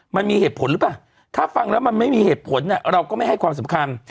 มันมีเหตุผลหรือเปล่าถ้าฟังแล้วมันไม่มีเหตุผลเราก็ไม่ให้ความสำคัญ